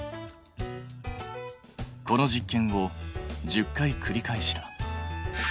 この実験を１０回くり返した。